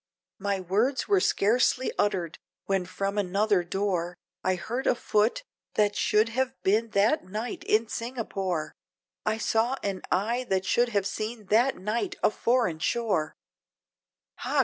My words were scarcely uttered, when from another door, I heard a foot, that should have been that night in Singapore! I saw an eye, that should have seen that night a foreign shore, "Ha!